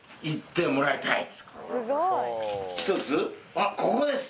あっここです。